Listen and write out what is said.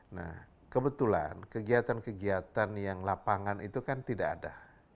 nah kebetulan kegiatan kegiatan yang lapangan itu kan tidak ada